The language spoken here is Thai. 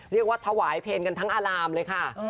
เรียกว่าถวายเพลงกันทั้งอารามเลยค่ะ